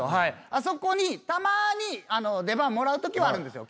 あそこにたまに出番もらうときはあるんですよ